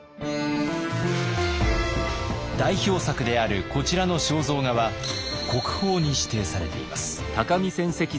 代表作であるこちらの肖像画は国宝に指定されています。